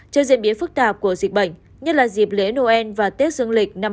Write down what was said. trên diễn biến phức tạp của dịch bệnh nhất là dịp lễ noel và tết dương lịch năm hai nghìn hai mươi